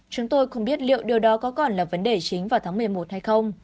chúng tôi không biết liệu điều đó có còn là vấn đề chính vào tháng một mươi một hay không